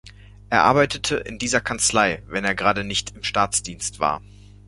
Er arbeitete in dieser Kanzlei, wenn er gerade nicht im Staatsdienst war.